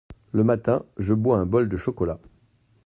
Le matin, je bois un bol de chocolat.